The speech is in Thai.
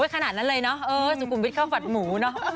ขนาดนั้นเลยเนอะเออสุขุมวิทย์เข้าฝัดหมูเนอะ